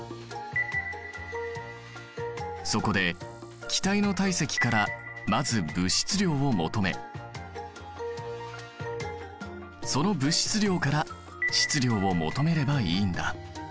そこで気体の体積からまず物質量を求めその物質量から質量を求めればいいんだ。